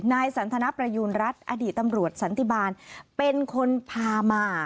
นายสันทนประยูณรัฐอดีตตำรวจสันติบาลเป็นคนพามา